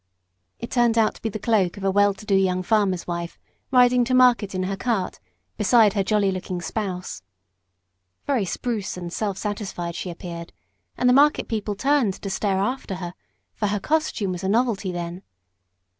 It turned out to be the cloak of a well to do young farmer's wife riding to market in her cart beside her jolly looking spouse. Very spruce and self satisfied she appeared, and the market people turned to stare after her, for her costume was a novelty then.